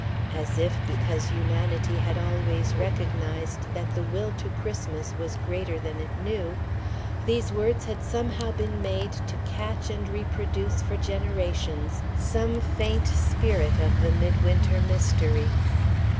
As if, because humanity had always recognized that the will to Christmas was greater than it knew, these words had somehow been made to catch and reproduce, for generations, some faint spirit of the midwinter mystery.